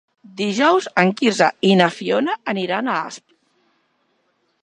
Dijous en Quirze i na Fiona aniran a Asp.